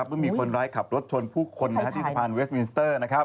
เมื่อมีคนร้ายขับรถชนผู้คนที่สะพานเวสมินสเตอร์